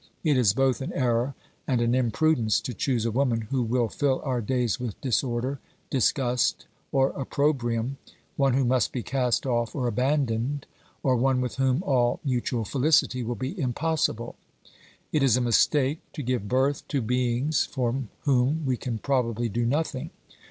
It is both an error and an imprudence to choose a woman who will fill our days with disorder, disgust, or opprobrium, one who must be cast off or abandoned, or one with whom all mutual felicity will be impossible. It is a mistake to give birth to beings for whom we can probably do nothing.